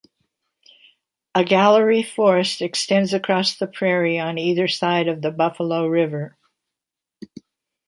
A gallery forest extends across the prairie on either side of the Buffalo River.